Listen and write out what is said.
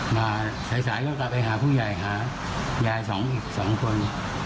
มาสายก็กลับไปหาพวกยายหายายอีกสองคน